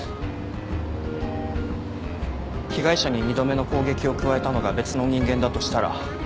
被害者に２度目の攻撃を加えたのが別の人間だとしたら。